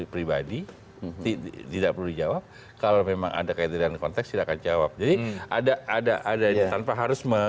pribadi tidak perlu jawab kalau memang ada keadaan konteks silakan jawab ada ada ada yang tanpa harus